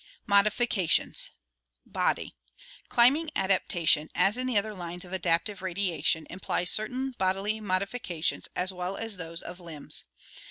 Modifications Body. — Climbing adaptation, as in the other lines of adaptive radiation, implies certain bodily modifications as well as those of limbs.